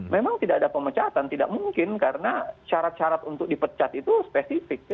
memang tidak ada pemecatan tidak mungkin karena syarat syarat untuk dipecat itu spesifik